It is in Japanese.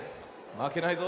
まけないぞ。